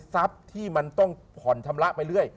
ที่มันต้องผ่อนชำระไปเรื่อย